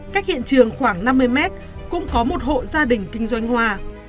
cách hiện trường khoảng năm mươi mét cũng có một hộ gia đình kinh doanh hoa